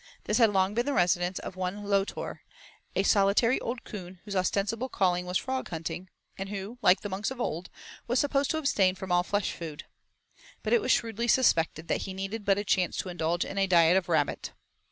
This had long been the residence of one Lotor, a solitary old coon whose ostensible calling was frog hunting, and who, like the monks of old, was supposed to abstain from all flesh food. But it was shrewdly suspected that he needed but a chance to indulge in a diet of rabbit.